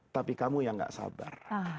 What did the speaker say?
tapi kamu yang gak sabar